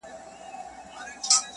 زلفي او باڼه اشــــــنـــــــــــا’